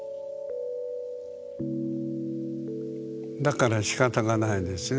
だからしかたがないですね。